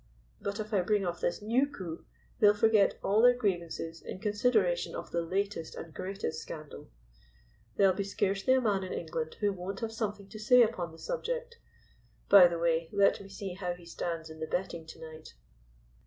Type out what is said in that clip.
But if I bring off this new coup, they'll forget all their grievances in consideration of the latest and greatest scandal. There'll be scarcely a man in England who won't have something to say upon the subject. By the way, let me see how he stands in the betting to night."